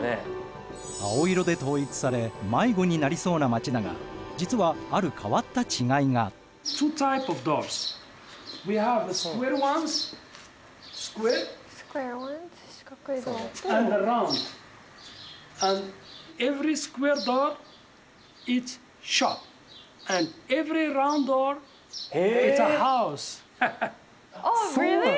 青色で統一され迷子になりそうな街だが実はあるそうなの？